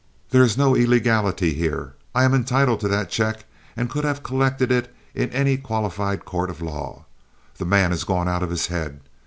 There is no illegality here. I am entitled to that check and could have collected it in any qualified court of law. The man has gone out of his head.